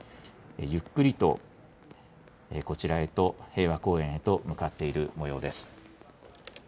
ゆっくりとこちらへと平和公園へと、向かっているもようです。